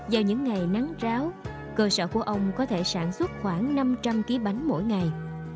do những ngày nắng ráo cơ sở của ông có thể sản xuất khoảng năm trăm linh kg bánh mỗi ngày